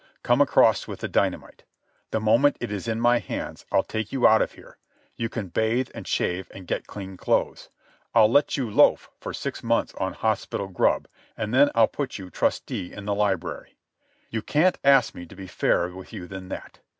Come across with the dynamite. The moment it is in my hands I'll take you out of here. You can bathe and shave and get clean clothes. I'll let you loaf for six months on hospital grub, and then I'll put you trusty in the library. You can't ask me to be fairer with you than that.